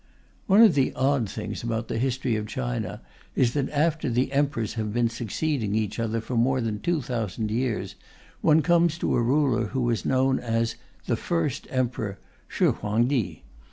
One of the odd things about the history of China is that after the Emperors have been succeeding each other for more than 2,000 years, one comes to a ruler who is known as the "First Emperor," Shih Huang Ti.